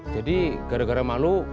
jadi gara gara malu